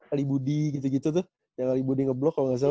alibudi gitu gitu tuh yang alibudi ngeblok kalo gak salah